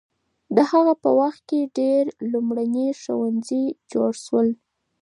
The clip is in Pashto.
د هغه په وخت کې ډېر لومړني ښوونځي جوړ شول.